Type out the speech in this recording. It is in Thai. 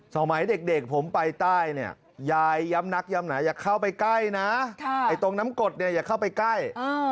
สมัยเด็กผมไปใต้เนี่ยยายย้ำนักย้ำหนาอย่าเข้าไปใกล้นะไอ้ตรงน้ำกดเนี่ยอย่าเข้าไปใกล้